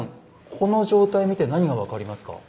この状態見て何が分かりますか？